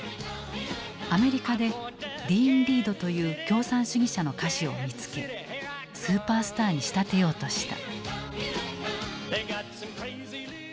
アメリカでディーン・リードという共産主義者の歌手を見つけスーパースターに仕立てようとした。